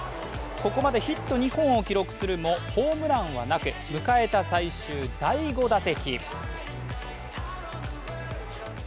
ここまでヒット２本を記録するもホームランはなく、迎えた最終第５打席。